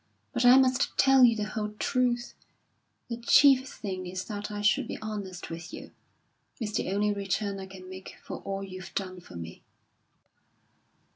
But I must tell you the whole truth. The chief thing is that I should be honest with you. It's the only return I can make for all you've done for me."